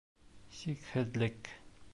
Сикһеҙлек